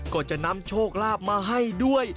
ก็จะนำโชคลาภมาให้ด้วย